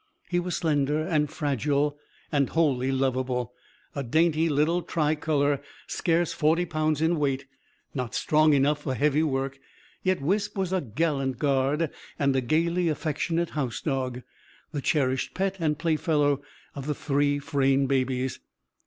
He was slender and fragile and wholly lovable; a dainty little tricolour, scarce forty pounds in weight. Not strong enough for heavy work, yet Wisp was a gallant guard and a gaily affectionate house dog the cherished pet and playfellow of the three Frayne babies.